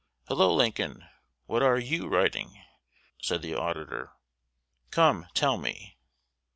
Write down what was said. "Hello, Lincoln! what are you writing?" said the auditor. "Come, tell me."